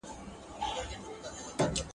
زه احمد یم.